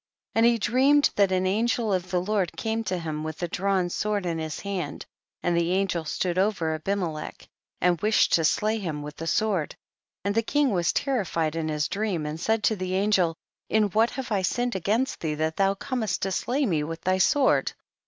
13. And he dreamed that an angel of the Lord came to him with a drawn sword in his hand, and the angel stood over Abimelech, and wished to slay him with the sword, and the king was terrified in his dream, and said to the angel, in what have I sinned against thee that thou comest to slay me with thy sword